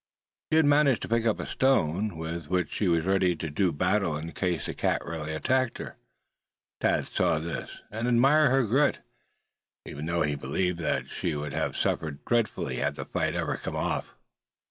She had managed to pick up a stone, with which she was ready to do battle in case the cat really attacked her. Thad saw this, and admired her grit, even though he believed that she would have suffered dreadfully, had the fight ever come off.